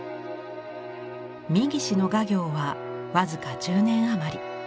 三岸の画業は僅か１０年余り。